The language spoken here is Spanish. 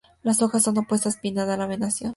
Las hojas son opuestas, pinnadas la venación.